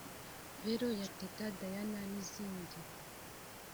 Velo ya Teta Diana n’izindi